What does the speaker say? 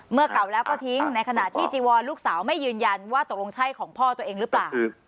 เก่าแล้วก็ทิ้งในขณะที่จีวอนลูกสาวไม่ยืนยันว่าตกลงใช่ของพ่อตัวเองหรือเปล่า